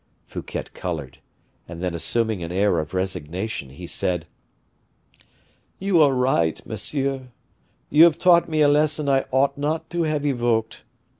Fouquet colored, and then assuming an air of resignation, he said: "You are right, monsieur; you have taught me a lesson I ought not to have evoked.